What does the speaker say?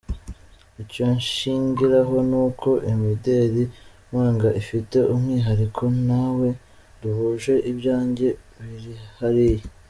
Icyo nshingiraho ni uko imideli mpanga ifite umwihariko, ntawe duhuje, ibyanjye birihariye.